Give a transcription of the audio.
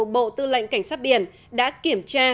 bộ tư lệnh cảnh sát biển đã kiểm tra